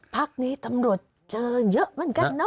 พักนี้ตำรวจเจอเยอะเหมือนกันนะ